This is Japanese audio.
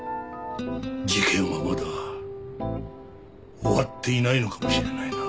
事件はまだ終わっていないのかもしれないな。